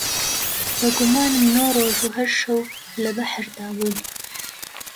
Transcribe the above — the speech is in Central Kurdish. بە گومانم نۆ ڕۆژ و هەشت شەو لە بەحردا بووین